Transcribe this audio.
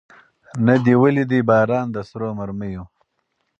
نه دي ولیدی باران د سرو مرمیو